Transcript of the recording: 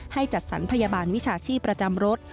จัดสรรพยาบาลวิชาชีพประจำรถ